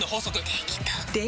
できた！